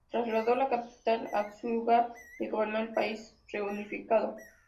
Trasladó la capital a Stuttgart y gobernó el país reunificado.